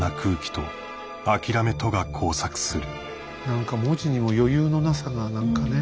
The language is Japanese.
何か文字にも余裕のなさが何かね